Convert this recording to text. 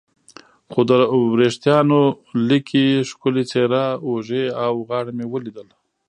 خو د وریښتانو لیکې، ښکلې څېره، اوږې او غاړه مې ولیدل.